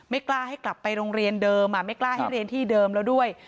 กล้าให้กลับไปโรงเรียนเดิมไม่กล้าให้เรียนที่เดิมแล้วด้วย